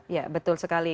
ya betul sekali